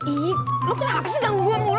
ih lo kenapa sih ganggu gue mulu